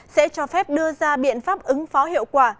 sẽ cho phép đưa ra biện pháp ứng phó hiệu quả